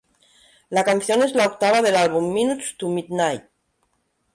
La canción es la octava del álbum "Minutes to Midnight".